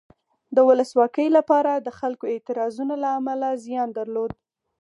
د ولسواکۍ لپاره د خلکو اعتراضونو له امله زیان درلود.